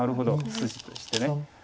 筋として。